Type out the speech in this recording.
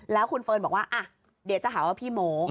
แล้วคุณเฟิร์นบอกว่าเดี๋ยวจะหาว่าพี่โม